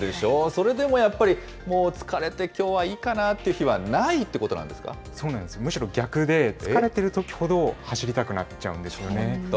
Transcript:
それでもやっぱり、もう疲れてきょうはいいかなっていう日はないそうなんです、むしろ逆で、疲れてるときほど走りたくなっちゃうんですよね。